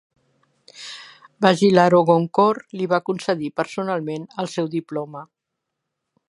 Vajiralongkorn li va concedir personalment el seu diploma.